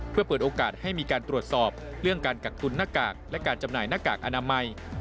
เพื่อเปิดโอกาสให้มีการตรวจสอบเรื่องการกักตุนหน้ากากและการจำหน่ายหน้ากากอนามัย